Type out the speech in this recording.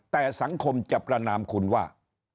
แต่สังคมจะประนามคุณว่า